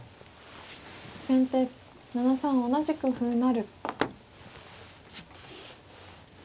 先手７三同じく歩成。